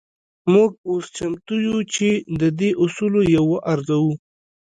موږ اوس چمتو يو چې د دې اصولو يو وارزوو.